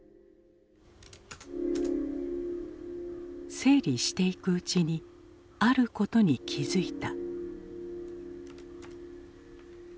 整理していくうちにあることに気付いた。